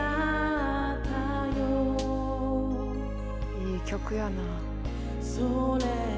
いい曲やな。